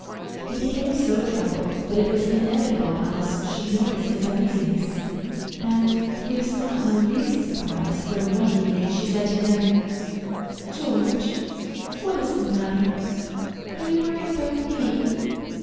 He became so troubled that it was inevitable Alice should notice his uneasiness, and he was not in the least surprised when one evening she said to him: "George, what is the matter? Are you worrying about me?"